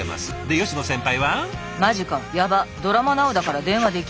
吉野先輩！